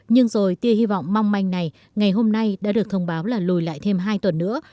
nhưng rồi tia hy vọng mong manh này ngày hôm nay đã được thông báo là lùi lại thêm hai tuần nữa